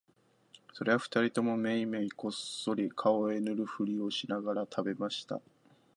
それは二人ともめいめいこっそり顔へ塗るふりをしながら喰べました